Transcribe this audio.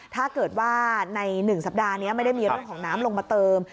ถ้าเกิดว่าใน๑สัปดาห์นี้ไม่ได้มีเรื่องของน้ำลงมาเติม